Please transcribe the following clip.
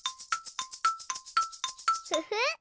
フフ！